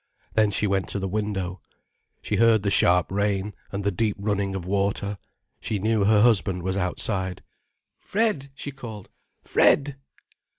Then she went to the window. She heard the sharp rain, and the deep running of water. She knew her husband was outside. "Fred," she called, "Fred!"